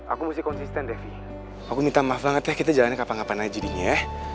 aku mesti konsisten devi aku minta maaf banget ya kita jalannya kapan kapan aja jadi ya